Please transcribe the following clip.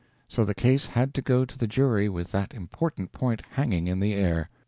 So the case had to go to the jury with that important point hanging in the air.